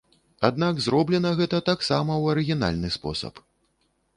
Аднак зроблена гэта таксама ў арыгінальны спосаб.